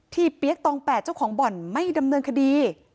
เปี๊ยกตอง๘เจ้าของบ่อนไม่ดำเนินคดี